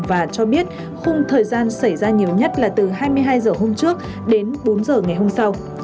và cho biết khung thời gian xảy ra nhiều nhất là từ hai mươi hai h hôm trước đến bốn h ngày hôm sau